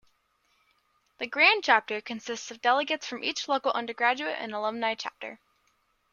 The Grand Chapter consists of delegates from each local undergraduate and alumni chapter.